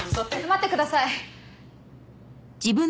待ってください。